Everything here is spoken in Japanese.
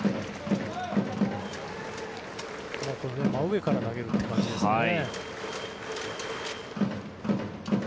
真上から投げるって感じですよね。